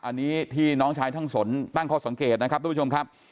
อันนี้ที่น้องชายทั้งสนตั้งข้อสังเกตนะครับทุกผู้ชมครับ